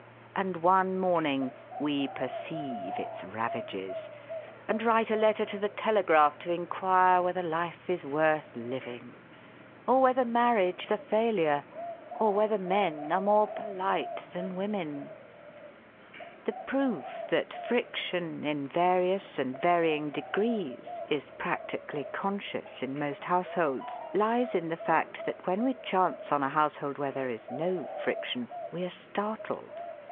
And one morning we perceive its ravages and write a letter to the Telegraph to inquire whether life is worth living, or whether marriage is a failure, or whether men are more polite than women. The proof that friction, in various and varying degrees, is practically conscious in most households lies in the fact that when we chance on a household where there is no friction we are startled.